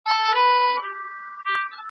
د انسان په وينه گډ دي فسادونه .